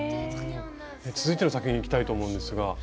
続いての作品にいきたいと思うんですが。